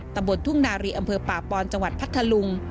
ตำบลทุ่งนารีอำเภอป่าปอนจังหวัดพัทธลุง